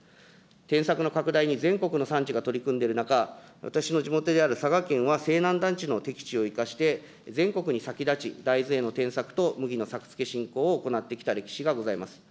転作の拡大に全国の産地が取り組んでいる中、私の地元である佐賀県はせいなん台地の適地を生かして、全国に先立ち、大豆への転作と麦の作付けしんこうを行ってきた歴史がございます。